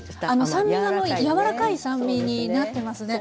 酸味が柔らかい酸味になってますね。